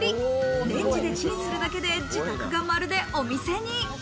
レンジでチンするだけで自宅がまるでお店に。